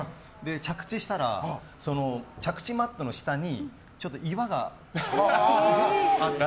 着地したら着地マットの下にちょっと岩があって。